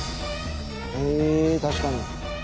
へえ確かに。